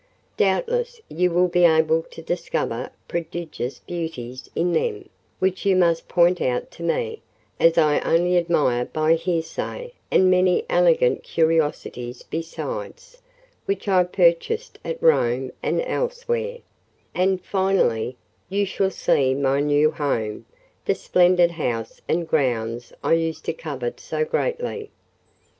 Doubtless you will be able to discover prodigious beauties in them, which you must point out to me, as I only admire by hearsay; and many elegant curiosities besides, which I purchased at Rome and elsewhere; and, finally, you shall see my new home—the splendid house and grounds I used to covet so greatly.